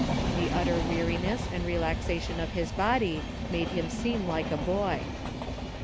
The utter weariness and re laxation of his body made him seem like a boy.